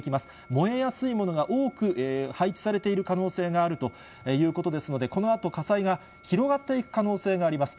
燃えやすいものが多く配置されている可能性があるということですので、このあと火災が広がっていく可能性があります。